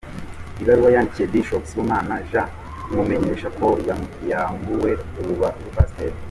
Ibaruwa yandikiwe Bishop Sibomana Jean imumenyesha ko yambuwe ubupasitori.